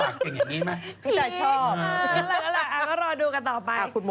เอาละก็รอดูกันต่อไป